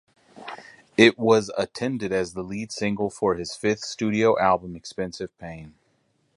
It was attended as the lead single for his fifth studio album Expensive Pain.